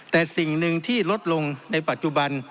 แต่สิ่งหนึ่งที่ลดลงในปัจจุบัน